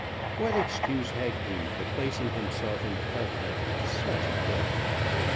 What excuse had he for placing himself in contact with such filth?